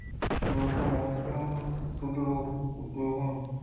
چیاکہ آجُوئیں شُدلاپ گِہ اِنت